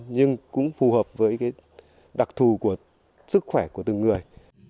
nhưng cũng phù hợp với cái đặc thù của sức khỏe của từng người